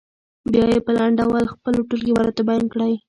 بیا یې په لنډ ډول خپلو ټولګیوالو ته بیان کړئ.